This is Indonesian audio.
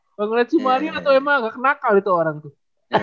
kalau ngelihat si maria atau emma gak kenakal itu orang tuh